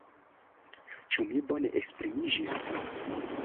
Ĉu mi bone esprimiĝis?